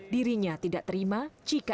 dirinya tidak terima jika